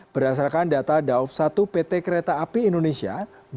berdasarkan data daob satu pt kereta api indonesia